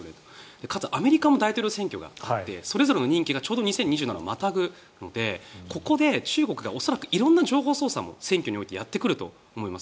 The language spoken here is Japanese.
かつ、アメリカも大統領選挙があってそれぞれの任期が２０２７年をちょうどまたぐのでここで中国が恐らく色んな情報操作も選挙においてやってくると思います。